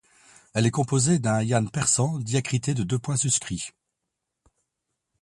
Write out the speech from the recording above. Elle est composée d’un yāʾ persan diacrité de deux points suscrits.